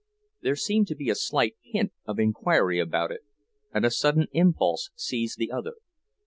There seemed to be a slight hint of inquiry about it, and a sudden impulse seized the other.